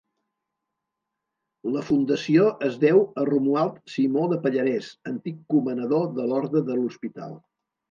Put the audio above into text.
La fundació es deu a Romuald Simó de Pallarès, antic comanador de l'orde de l'Hospital.